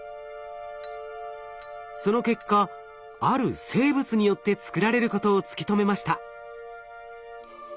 その結果ある生物によって作られることを突き止めました。